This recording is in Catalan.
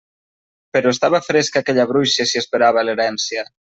Però estava fresca aquella bruixa si esperava l'herència!